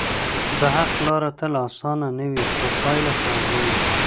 د حق لار تل آسانه نه وي، خو پایله خوږه وي.